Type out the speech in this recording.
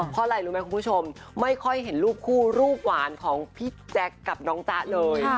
เพราะอะไรรู้ไหมคุณผู้ชมไม่ค่อยเห็นรูปคู่รูปหวานของพี่แจ๊คกับน้องจ๊ะเลย